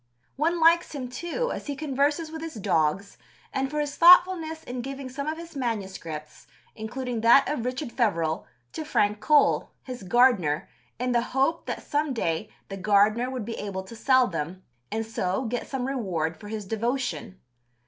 One likes him, too, as he converses with his dogs, and for his thoughtfulness in giving some of his MSS., including that of Richard Feverel, to Frank Cole, his gardener, in the hope that "some day the gardener would be able to sell them" and so get some reward for his devotion.